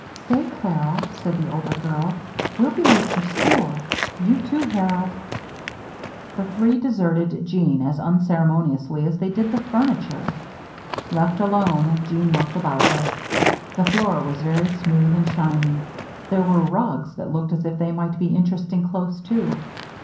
"Say, Clara," said the older girl, "we'll be late for school. You, too, Harold." The three deserted Jeanne as unceremoniously as they did the furniture. Left alone, Jeanne looked about her. The floor was very smooth and shiny. There were rugs that looked as if they might be interesting, close to.